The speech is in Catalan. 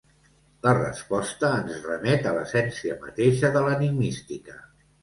La resposta ens remet a l'essència mateixa de l'enigmística.